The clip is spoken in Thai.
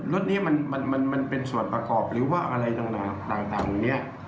รถนี้มันเป็นส่วนประกอบหรือว่าอะไรต่างอย่างนี้